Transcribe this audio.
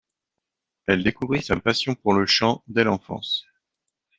Elle découvrit sa passion pour le chant dès l'enfance.